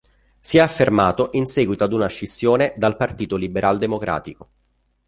Si è affermato in seguito ad una scissione dal Partito Liberal-Democratico.